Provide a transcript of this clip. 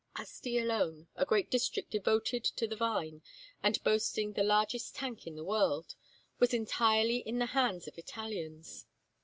Asti alone, a great district devoted to the vine, and boasting the largest tank in the world, was entirely in the hands of Italians.